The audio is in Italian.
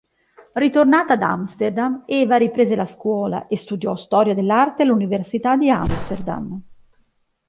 Ritornate ad Amsterdam Eva riprese la scuola e studiò storia dell'arte all'università di Amsterdam.